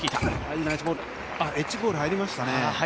エッジボール、入りましたね。